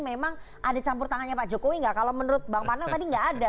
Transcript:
memang ada campur tangannya pak jokowi enggak kalau menurut bang panang tadi enggak ada